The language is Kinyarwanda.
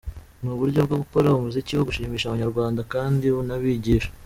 Ni uburyo bwo gukora umuziki wo gushimisha Abanyarwanda kandi unabigisha.